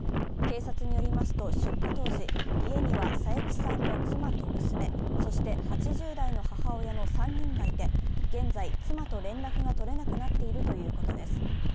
警察によりますと出火当時家には佐伯さんの妻と娘、そして８０代の母親の３人がいて、現在、妻と連絡が取れなくなっているということです。